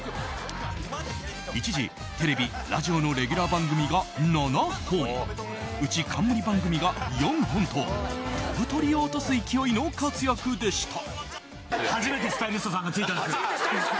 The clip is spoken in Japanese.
一時、テレビ、ラジオのレギュラー番組が７本うち冠番組が４本と飛ぶ鳥を落とす勢いの活躍でした。